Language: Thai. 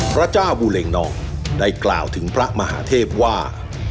พระเจ้าบูเลงนองได้กล่าวถึงพระมหาเทพว่า